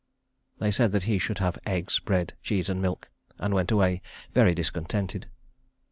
They said that he should have eggs, bread, cheese and milk, and went away very discontented.